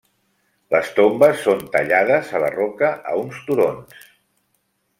Les tombes són tallades a la roca a uns turons.